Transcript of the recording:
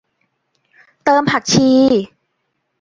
เติมผักชี